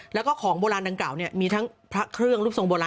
แล้วก็ของโบราณดังกล่าวมีทั้งพระเครื่องรูปทรงโบราณ